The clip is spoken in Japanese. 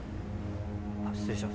失礼します。